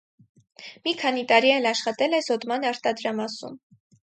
Մի քանի տարի էլ աշխատել է զոդման արտադրամասում։